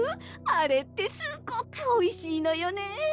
あれってすごくおいしいのよね